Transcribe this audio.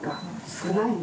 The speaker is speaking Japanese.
少ないね。